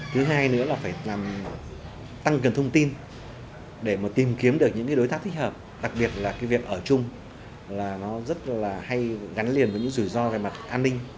thứ hai nữa là phải tăng cường thông tin để mà tìm kiếm được những đối tác thích hợp đặc biệt là cái việc ở chung là nó rất là hay gắn liền với những rủi ro về mặt an ninh